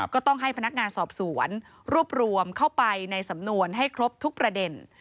ก็ต้องให้พนักงานสอบสวนรวบรวมเข้าไปในสำนวนให้ครบทุกประเด็น